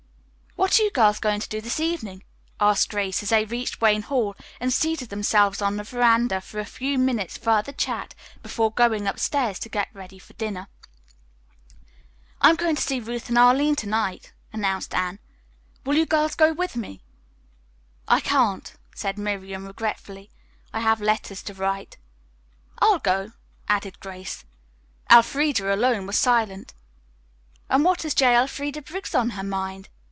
"What are you girls going to do this evening?" asked Grace, as they reached Wayne Hall and seated themselves on the veranda for a few minutes' further chat before going upstairs to get ready for dinner. "I am going to see Ruth and Arline to night," announced Anne. "Will you girls go with me?" "I can't," said Miriam regretfully. "I have letters to write." "I'll go," agreed Grace. Elfreda alone was silent. "And what has J. Elfreda Briggs on her mind?"